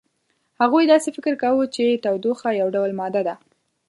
هغوی داسې فکر کاوه چې تودوخه یو ډول ماده ده.